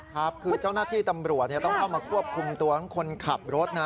ครับคือเจ้าหน้าที่ตำรวจต้องเข้ามาควบคุมตัวทั้งคนขับรถนะ